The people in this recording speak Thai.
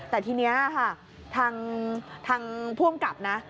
แต่ทีนี้ค่ะทางผู้อำกับนะ